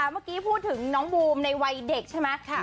เมื่อกี้พูดถึงน้องบูมในวัยเด็กใช่ไหม